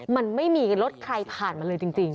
มันไม่มีรถใครผ่านมาเลยจริง